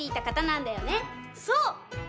そう！